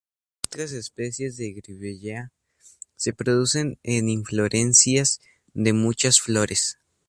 Como en otras especies de "Grevillea" se producen en inflorescencias de muchas flores.